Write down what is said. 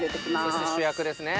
そして主役ですね。